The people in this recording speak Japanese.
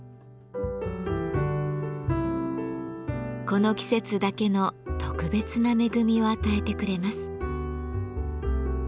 この季節だけの特別な恵みを与えてくれます。